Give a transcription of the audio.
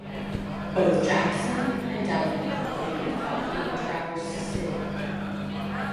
Both Jakson and Delaney play youth hockey in Traverse City.